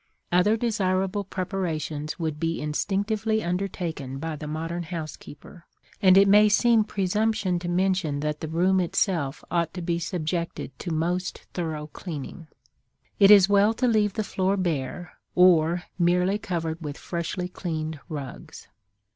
Other desirable preparations would be instinctively undertaken by the modern housekeeper, and it may seem presumption to mention that the room itself ought to be subjected to most thorough cleaning. It is well to leave the floor bare or merely covered with freshly cleaned rugs.